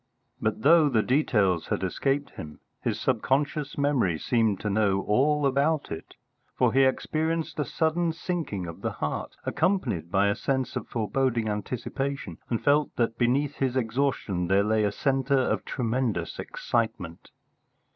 But though the details had escaped him, his subconscious memory seemed to know all about it, for he experienced a sudden sinking of the heart, accompanied by a sense of foreboding anticipation, and felt that beneath his exhaustion there lay a centre of tremendous excitement.